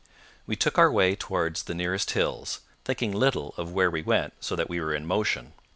We took our way towards the nearest hills, thinking little of where we went so that we were in motion.